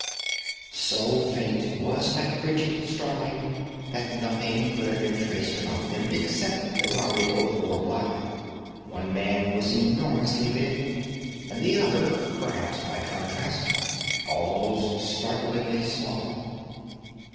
So faint was that frigid starlight that nothing could have been traced about them except that while they both wore black, one man was enormously big, and the other (perhaps by contrast) almost startlingly small.